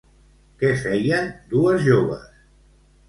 Què feien dues joves?